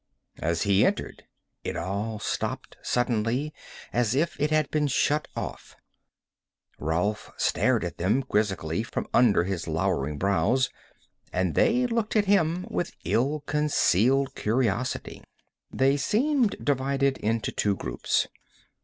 As he entered it all stopped, suddenly, as if it had been shut off. Rolf stared at them quizzically from under his lowering brows, and they looked at him with ill concealed curiosity. They seemed divided into two groups.